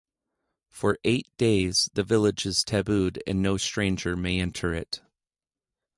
For eight days the village is tabooed and no stranger may enter it.